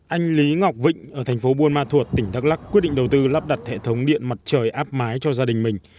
anh lý ngọc vịnh ở thành phố buôn ma thuột tỉnh đắk lắc quyết định đầu tư lắp đặt hệ thống điện mặt trời áp mái cho gia đình mình